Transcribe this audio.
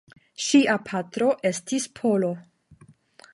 Ŝia patro estis Polo.